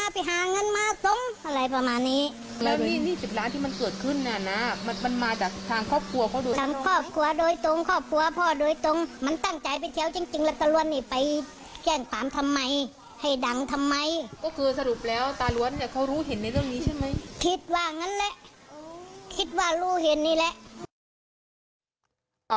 คิดว่างั้นแหละคิดว่ารู้เห็นนี่แหละ